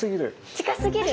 近すぎる。